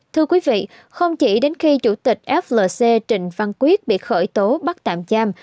thưa quý vị không chỉ đến khi chủ tịch flc trình văn quyết bị khởi tố bắt tạm giam